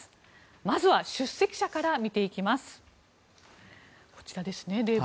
まずは出席者から見ていきます。